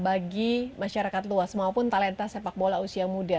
bagi masyarakat luas maupun talenta sepak bola usia muda